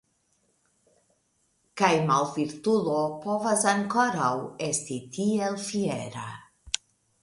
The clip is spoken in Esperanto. Kaj malvirtulo povas ankoraŭ esti tiel fiera!